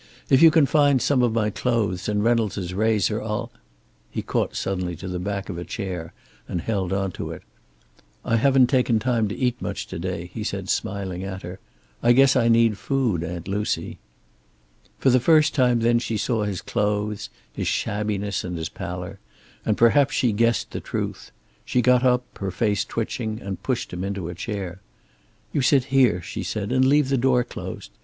If you can find some of my clothes and Reynolds' razor, I'll " He caught suddenly to the back of a chair and held on to it. "I haven't taken time to eat much to day," he said, smiling at her. "I guess I need food, Aunt Lucy." For the first time then she saw his clothes, his shabbiness and his pallor, and perhaps she guessed the truth. She got up, her face twitching, and pushed him into a chair. "You sit here," she said, "and leave the door closed.